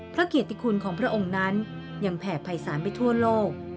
พระเกียรติคุณของพระองค์นั้นยังแผ่ภัยศาลไปทั่วโลก